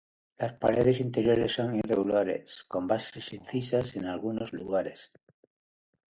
Las paredes interiores son irregulares, con bases incisas en algunos lugares.